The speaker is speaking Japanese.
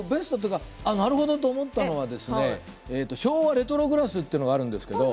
なるほどと思ったのは昭和レトログラスというのがあります。